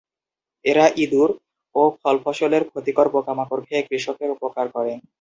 এরা ইঁদুর ও ফল-ফসলের ক্ষতিকর পোকামাকড় খেয়ে কৃষকের উপকার করে।